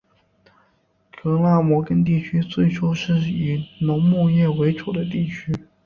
格拉摩根地区最初是以农牧业为主的地区。